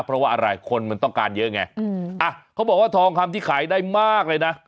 เพราะว่าอะไรคนมันต้องการเยอะไงอ่ะเขาบอกว่าทองคำที่ขายได้มากเลยนะ